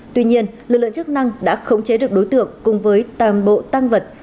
tuy nhiên lực lượng chức năng đã khống chế được đối tượng cùng với tàm bộ tăng vật